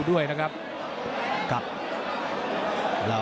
โอ้โหโอ้โห